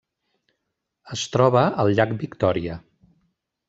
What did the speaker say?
Es troba al llac Victòria.